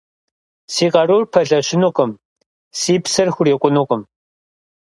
Си къарур пэлъэщынукъым, си псэр хурикъунукъым.